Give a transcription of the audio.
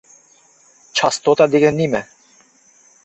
چاستوتا دېگەن نېمە؟